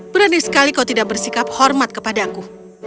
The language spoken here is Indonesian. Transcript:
berani sekali kau tidak bersikap hormat kepada aku